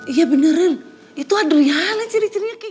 iya beneran itu adrianan ciri cirinya kayak